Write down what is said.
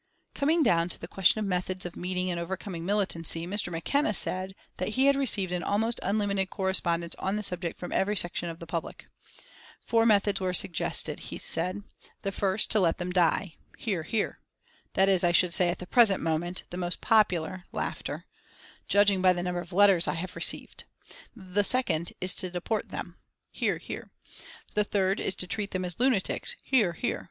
Coming down to the question of methods of meeting and overcoming militancy, Mr. McKenna said that he had received an almost unlimited correspondence on the subject from every section of the public. "Four methods were suggested," said he. "The first is to let them die. (Hear, hear.) That is, I should say, at the present moment, the most popular, judging by the number of letters I have received. The second is to deport them. (Hear, hear.) The third is to treat them as lunatics. (Hear, hear.)